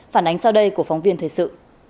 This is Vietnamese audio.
phản ánh sau đây của phóng viên thời sự